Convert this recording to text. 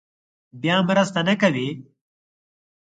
بیا مرسته نه کوي.